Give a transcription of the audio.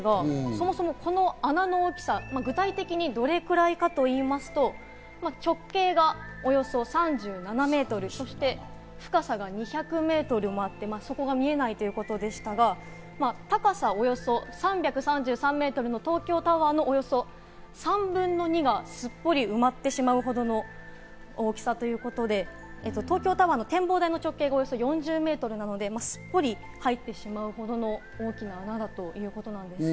そもそもこの穴の大きさ、具体的にどれぐらいかと言いますと直径がおよそ３７メートル、そして深さが２００メートルもあって、底が見えないということでしたが、高さおよそ３３３メートルの東京タワーの、およそ３分の２がすっぽり埋まってしまうほどの大きさということで、東京タワーの展望台が直径およそ３７メートルなので、すっぽり入ってしまうほどの大きな穴ということなんです。